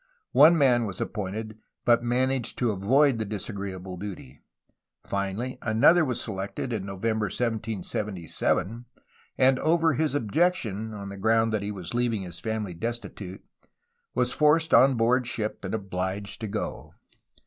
One man was appointed, but managed to avoid the dis agreeable duty. Finally another was selected in November 1777, and over his objection (on the ground that he was leaving his family destitute) was forced on board ship and obliged to go.